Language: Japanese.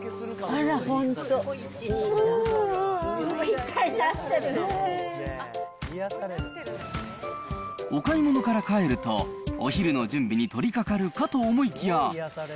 ミョウガ、お買い物から帰ると、お昼の準備に取りかかるかと思いきや。